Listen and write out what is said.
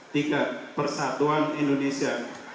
tiga persatuan indonesia